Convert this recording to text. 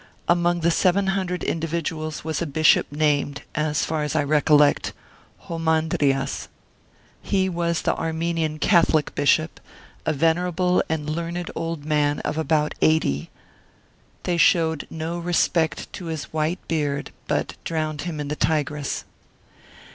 Among the 700 individuals was a bishop named as far as I recollect Roman ' drias ; he was the Armenian Catholic Bishop, a venerable and learned old man of about eighty; they showed no respect to his white beard, but drowned him in the Tigris.